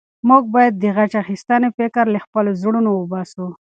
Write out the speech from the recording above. موږ باید د غچ اخیستنې فکر له خپلو زړونو وباسو.